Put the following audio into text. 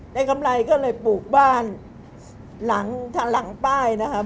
ได้กำไรก็เลยปลูกบ้านหลังป้ายนะครับ